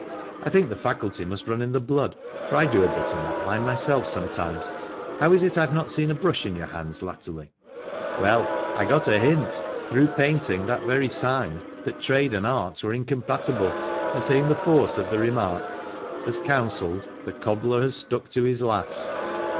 I think the faculty must run in the blood, for I do a bit in that line myself sometimes. How is it I have not seen a brush in your hands latterly ?"" Well, I got a hint, through painting that very sign, that trade and art were incompatible, and seeing the force of the remark, as counselled —' the cobbler has stuck to his last.'